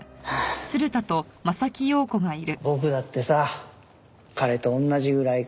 僕だってさ彼と同じぐらい金持ちだよ。